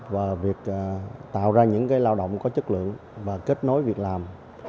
và việc tạo ra những lao động có chất lượng và kết nối việc làm